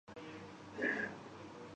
ہونٹوں سے مسکان چھن جائے